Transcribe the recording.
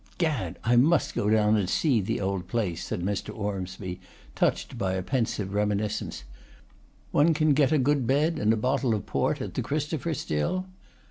'Gad I must go down and see the old place,' said Mr. Ormsby, touched by a pensive reminiscence. 'One can get a good bed and bottle of port at the Christopher, still?